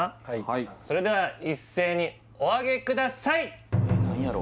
はいでは一斉におあげください！